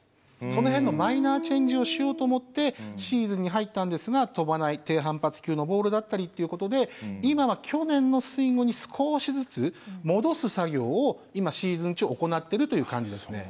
その辺のマイナーチェンジをしようと思ってシーズンに入ったんですが飛ばない低反発球のボールだったりっていうことで今は去年のスイングに少しずつ戻す作業を今シーズン中行ってるという感じですね。